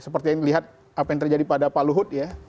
seperti yang dilihat apa yang terjadi pada paluhut ya